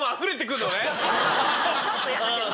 ちょっとヤダけど。